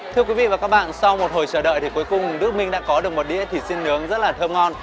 thưa quý vị và các bạn sau một hồi chờ đợi thì cuối cùng đức minh đã có được một đĩa thịt xiê nướng rất là thơm ngon